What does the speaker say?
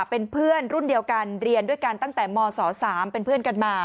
เป็นเพื่อนรุ่นเดียวกันเรียนด้วยกันตั้งแต่มศ๓เป็นเพื่อนกันมา